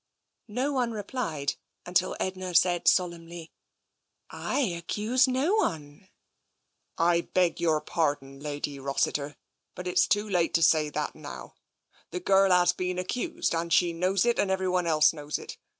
No one replied, until Edna said solemnly, " I accuse no one." t< I beg your pardon, Lady Rossiter, but it is too late 232 TENSION to say that now. The girl has been accused, and she knows it, and everyone else knows it.